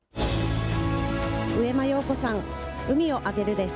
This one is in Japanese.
上間陽子さん、海をあげるです。